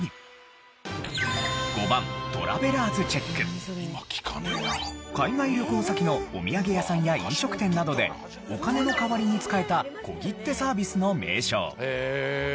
果たして海外旅行先のお土産屋さんや飲食店などでお金の代わりに使えた小切手サービスの名称。